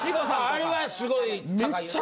あれはすごい高いよね。